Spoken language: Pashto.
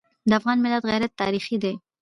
د افغان ملت غیرت تاریخي دی.